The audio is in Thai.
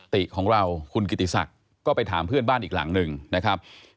ติของเราคุณกิติศักดิ์ก็ไปถามเพื่อนบ้านอีกหลังหนึ่งนะครับ